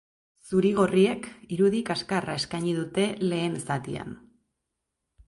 Zuri-gorriek irudi kaskarra eskaini dute lehen zatian.